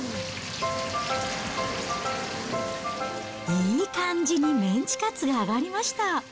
いい感じにメンチカツが揚がりました。